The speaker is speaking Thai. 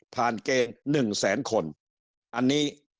ผ่านเกณฑ์หนึ่งแสนคนอันนี้